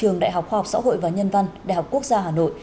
trường đại học khoa học xã hội và nhân văn đại học quốc gia hà nội